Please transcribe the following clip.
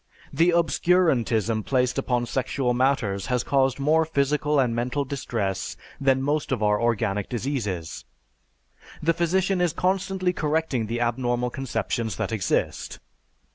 The obscurantism placed upon sexual matters has caused more physical and mental distress than most of our organic diseases. The physician is constantly correcting the abnormal conceptions that exist.